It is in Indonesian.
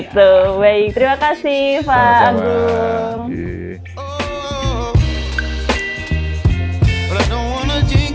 terima kasih pak agung